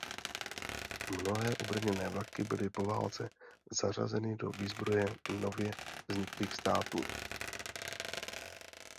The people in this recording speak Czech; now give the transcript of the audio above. Mnohé obrněné vlaky byly po válce zařazeny do výzbroje nově vzniklých států.